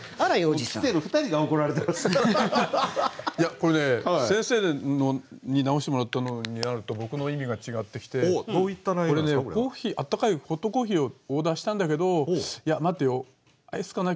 これね先生に直してもらったのになると僕の意味が違ってきてこれね温かいホットコーヒーをオーダーしたんだけど「いや待てよアイスかな？